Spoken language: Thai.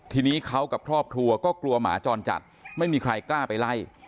ทีนี้เขากับครอบครัวก็กลัวหมาจรจัดไม่มีใครกล้าไปไล่